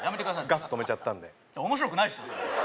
ガス止めちゃったんで面白くないですよ